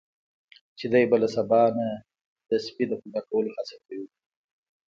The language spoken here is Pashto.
چې دی به له سبا نه د سپي د پیدا کولو هڅه کوي.